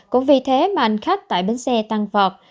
cũng vì thế mà hành khách tại bến xe tăng vọt